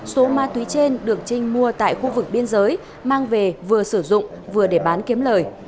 số ma túy trên được trinh mua tại khu vực biên giới mang về vừa sử dụng vừa để bán kiếm lời